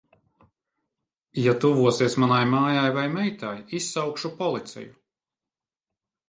Ja tuvosies manai mājai vai meitai, izsaukšu policiju.